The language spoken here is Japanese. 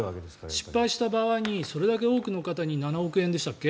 失敗した場合にそれだけ多くの人に７億円でしたっけ？